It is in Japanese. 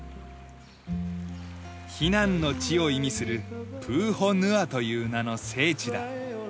避難の地を意味するプウホヌアという名の聖地だ。